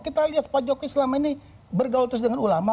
kita lihat pak jokowi selama ini bergaul terus dengan ulama